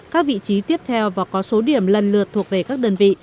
các vị trí tiếp theo và có số điểm lần lượt thuộc về các đơn vị